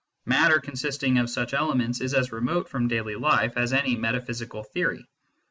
Matter consisting of such elements is as remote from daily life as any metaphysical theory.